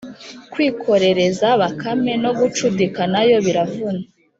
kwikorereza Bakame no gucudika na yo biravuna